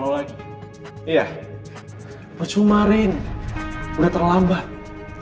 lo tuh kenapa sih selalu berperih sangka buruk sama gue